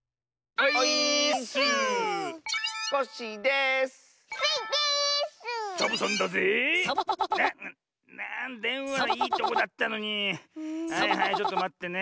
はいはいちょっとまってね。